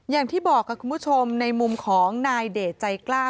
อย่างที่บอกค่ะคุณผู้ชมในมุมของนายเดชใจกล้า